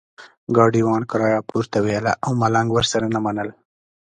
ګاډیوان کرایه پورته ویله او ملنګ ورسره نه منله.